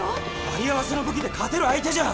有り合わせの武器で勝てる相手じゃ。